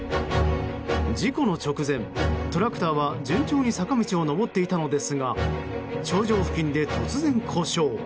事故の直前、トラクターは順調に坂道を上っていたのですが頂上付近で突然故障。